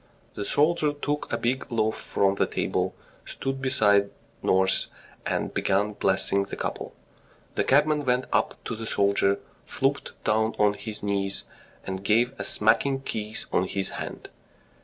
... The soldier took a big loaf from the table, stood beside nurse, and began blessing the couple. The cabman went up to the soldier, flopped down on his knees, and gave a smacking kiss on his hand.